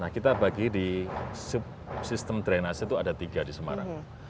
kita bagi di sistem drainase itu ada tiga di semarang